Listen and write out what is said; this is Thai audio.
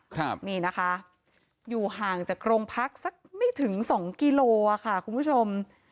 ครับนี่นะคะอยู่ห่างจากโรงพักสักไม่ถึงสองกิโลอ่ะค่ะคุณผู้ชม